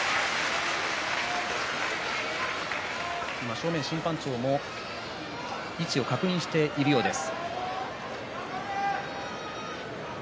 今、正面審判長も位置を確認しているようです。